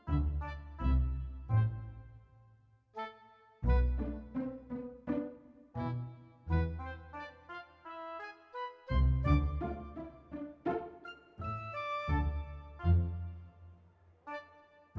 untuk menghadapi semua masalah ini